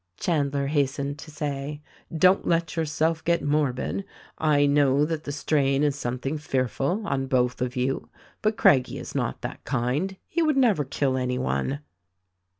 Chandler hastened to say : "Don't let yourself get mor bid. I know that the strain is something fearful, on both of you ; but Craggie is not that kind : he would never kill any one."